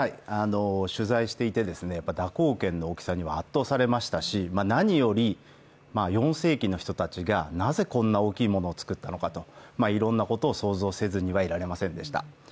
取材していて、蛇行剣の大きさには圧倒されましたし、何より４世紀の人たちがなぜこんな大きなものを作ったのかと、いろんなことを想像せずにはいられませんでした。